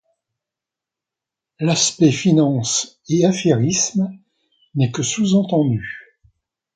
L'aspect finance et affairisme n'est que sous-entendu.